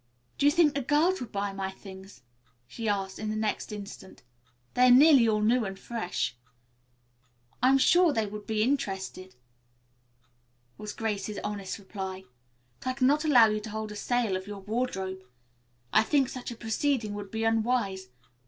"Do you think the girls would buy my things?" she asked in the next instant. "They are nearly all new and fresh." "I am sure they would be interested," was Grace's honest reply, "but I cannot allow you to hold a sale of your wardrobe. I think such a proceeding would be unwise.